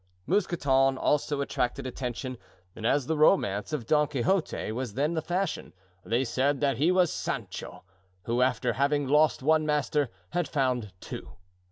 Mousqueton also attracted attention; and as the romance of Don Quixote was then the fashion, they said that he was Sancho, who, after having lost one master, had found two.